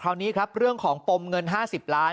คราวนี้ครับเรื่องของปมเงิน๕๐ล้าน